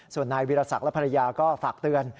ส่วนนายวิรสักและภรรยาก็ฝากเตือน